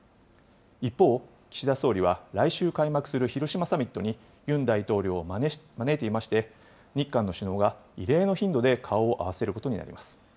一方、岸田総理は来週開幕する広島サミットに、ユン大統領を招いていまして、日韓の首脳が異例の頻度で顔を合わせることになります。